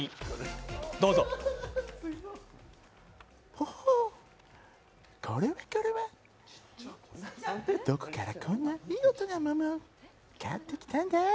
ほほう、これはこれはどこからこんな見事な桃を買ってきたんだい？